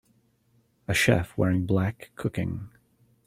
A chef wearing black cooking.